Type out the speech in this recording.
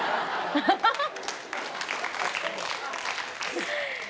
アハハッ！